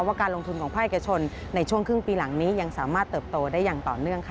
การลงทุนของภาคเอกชนในช่วงครึ่งปีหลังนี้ยังสามารถเติบโตได้อย่างต่อเนื่องค่ะ